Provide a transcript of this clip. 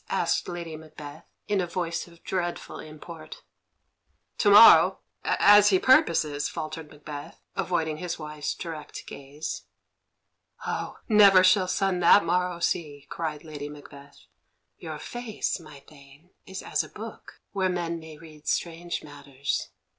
asked Lady Macbeth, in a voice of dreadful import. "To morrow as he purposes," faltered Macbeth, avoiding his wife's direct gaze. "Oh, never shall sun that morrow see!" cried Lady Macbeth. "Your face, my Thane, is as a book, where men may read strange matters.